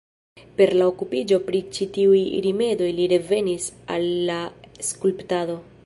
Per la okupiĝo pri ĉi tiuj rimedoj li revenis al la skulptado.